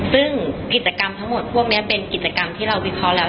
ซึ่งกิจกรรมทั้งหมดพวกนี้เป็นกิจกรรมที่เราวิเคราะห์แล้ว